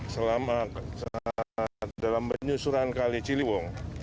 selama dalam penyusuran kali ciliwung